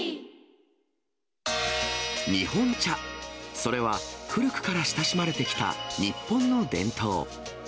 日本茶、それは古くから親しまれてきた日本の伝統。